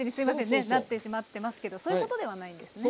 ねっなってしまってますけどそういうことではないんですね。